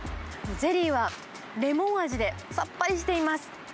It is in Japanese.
ゼリーはレモン味で、さっぱりしています。